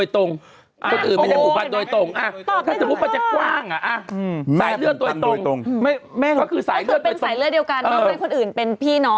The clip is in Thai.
ทำไม